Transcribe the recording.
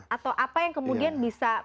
atau apa yang kemudian bisa